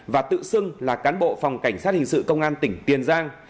và tự xưng là cán bộ phòng cảnh sát hình sự công an tỉnh tiền giang